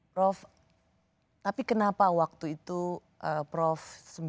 prof tapi kenapa waktu itu prof sembilan puluh delapan